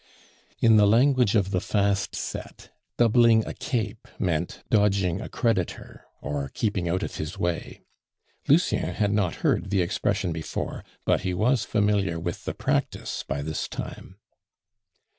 In the language of the fast set, doubling a cape meant dodging a creditor, or keeping out of his way. Lucien had not heard the expression before, but he was familiar with the practice by this time.